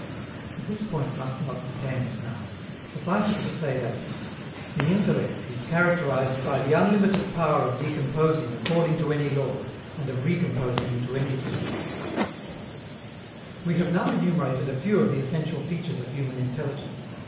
But this point must not detain us now. Suffice it to say that _the intellect is characterized by the unlimited power of decomposing according to any law and of recomposing into any system_. We have now enumerated a few of the essential features of human intelligence.